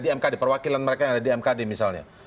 di mkd perwakilan mereka yang ada di mkd misalnya